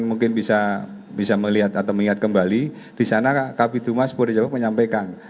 mungkin bisa melihat atau mengingat kembali di sana kabit humas polda jawa menyampaikan